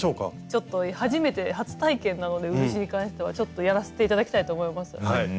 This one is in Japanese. ちょっと初めて初体験なので漆に関してはちょっとやらせて頂きたいと思います。